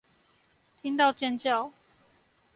聽到尖叫